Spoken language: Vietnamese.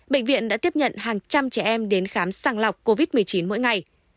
bệnh viện đã tiếp nhận hàng trăm trẻ em đến khám sàng lọc covid một mươi chín mỗi ngày